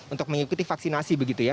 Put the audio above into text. untuk mengikuti vaksinasi begitu ya